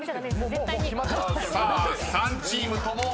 ［さあ３チームともＣ］